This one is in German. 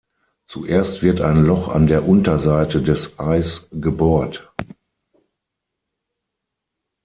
Zuerst wird ein Loch an der Unterseite des Eis gebohrt.